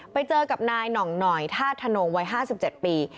ไปเจอกับนายหน่องหน่อยธาตุธนงวัย๕๗ปี